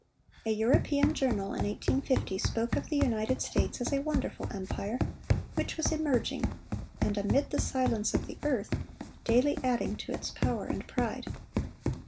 A European journal in 1850 spoke of the United States as a wonderful empire, which was "emerging," and "amid the silence of the earth daily adding to its power and pride."